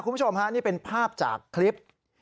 คุณผู้ชมฮะนี่เป็นภาพจากคลิป